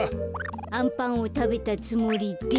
あんパンをたべたつもりで。